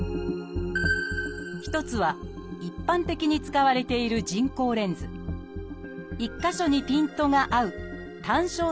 一つは一般的に使われている人工レンズ一か所にピントが合う単焦点レンズです。